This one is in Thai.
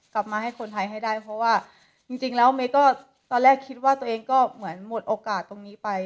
กลับมาให้คนไทยให้ได้เพราะว่าจริงแล้วเมย์ก็ตอนแรกคิดว่าตัวเองก็เหมือนหมดโอกาสตรงนี้ไป